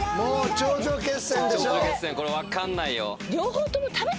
これ分かんないよ。